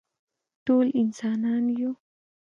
ټول انسانان یو